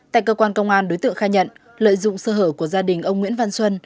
tại cơ quan công an đối tượng khai nhận lợi dụng sơ hở của gia đình ông nguyễn văn xuân